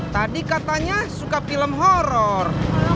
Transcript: tadi katanya suka film horror